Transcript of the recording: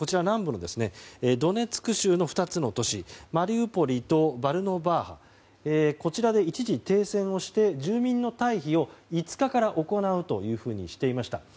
南部のドネツク州の２つの都市マリウポリとボルノバーハこちらで一時停戦をして住民の退避を５日から行うというふうにしていました。